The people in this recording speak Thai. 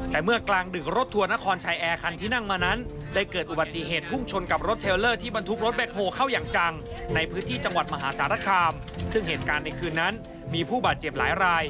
ซึ่งเหตุการณ์ในคืนนั้นมีผู้บาดเจ็บหลายราย